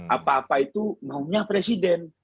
apa apa itu maunya presiden